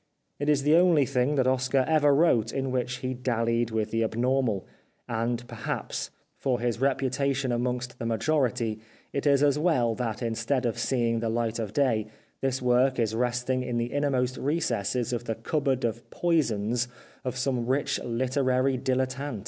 It 360 The Life of Oscar Wilde is the only thing that Oscar ever wrote in which he daUied with the abnormal ; and, perhaps, for his reputation amongst the majority it is as well that instead of seeing the light of day this work is resting in the innermost recesses of the Cupboard of Poisons of some rich literary dilet tant.